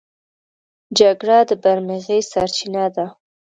جګړه د بدمرغۍ سرچينه ده.